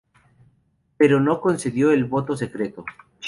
Pero no concedió el voto secreto.